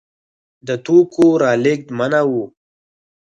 د توکو رالېږد منع و.